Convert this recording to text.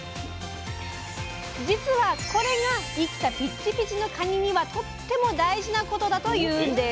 実はこれが生きたピッチピチのかににはとっても大事なことだというんです！